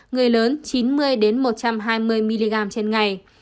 người lớn chín mươi một trăm hai mươi mg trên ngày